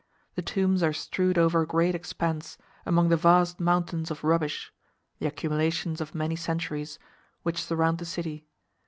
The tombs are strewed over a great expanse, among the vast mountains of rubbish (the accumulations of many centuries) which surround the city.